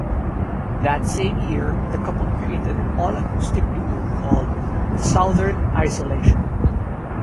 That same year, the couple created an all-acoustic duo called Southern Isolation.